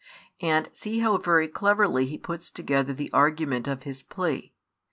And see how cleverly he puts together the argument of his plea.